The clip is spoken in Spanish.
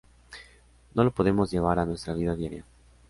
No lo podemos llevar a nuestra vida diaria.